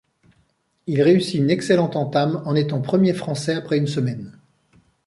Il réussit une excellente entame en étant premier Français après une semaine.